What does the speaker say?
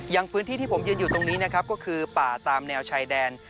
อย่างพื้นที่ที่ผมยืนอยู่ตรงนี้นะครับก็คือป่าตามแนวชายแดน